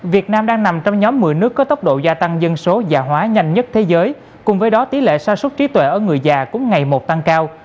việt nam đang nằm trong nhóm một mươi nước có tốc độ gia tăng dân số già hóa nhanh nhất thế giới cùng với đó tỷ lệ xa súc trí tuệ ở người già cũng ngày một tăng cao